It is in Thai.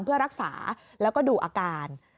เพื่อรักษาแล้วก็ดูอาการ